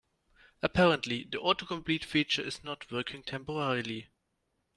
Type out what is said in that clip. Apparently, the autocomplete feature is not working temporarily.